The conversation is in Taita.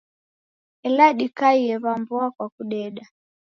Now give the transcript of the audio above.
Ela dikaie w'a mboa kwa kudeda.